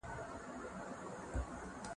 هغه وويل چي سپينکۍ مينځل ضروري دي.